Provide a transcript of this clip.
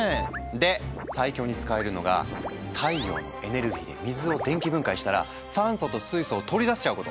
で最強に使えるのが太陽のエネルギーで水を電気分解したら酸素と水素を取り出せちゃうこと。